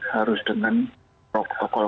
harus dengan protokol